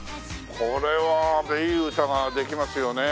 これはいい歌ができますよね。